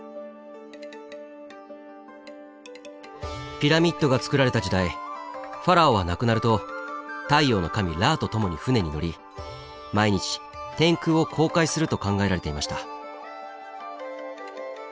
ピラミッドがつくられた時代ファラオは亡くなると太陽の神ラーと共に船に乗り毎日天空を航海すると考えられていました。